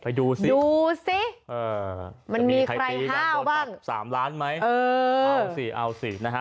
ไปดูสิดูสิเออมันมีใครฮ่าวบ้างสามล้านไหมเออเอาสิเอาสินะฮะ